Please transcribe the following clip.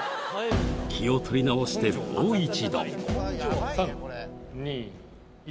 気を取り直してもう一度３・２・１。